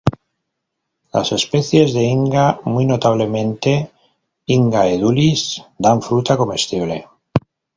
Las especies de "Inga", muy notablemente "Inga edulis" dan fruta comestible.